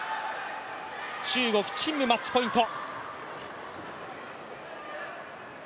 中国・陳夢、マッチポイント。